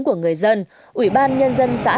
của người dân ủy ban nhân dân xã